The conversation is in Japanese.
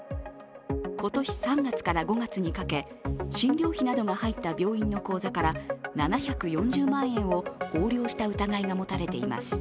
今年３月から５月にかけ、診療費などが入った病院の口座から７４０万円を横領した疑いが持たれています。